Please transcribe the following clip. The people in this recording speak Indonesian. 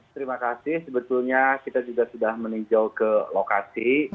terima kasih sebetulnya kita juga sudah meninjau ke lokasi